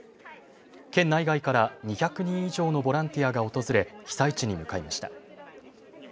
県内外から２００人以上のボランティアが訪れ被災地に向かいました。